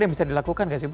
rangkas ganzi aja oke bu